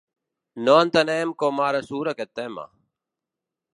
No entenem com ara surt aquest tema.